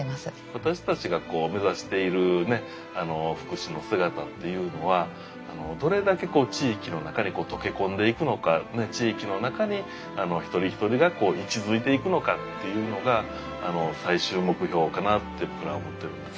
私たちがこう目指している福祉の姿っていうのはどれだけ地域の中に溶け込んでいくのか地域の中で一人一人が息づいていくのかっていうのが最終目標かなって僕らは思ってるんです。